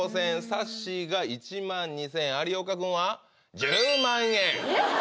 さっしーが１万２０００円有岡君は１０万円！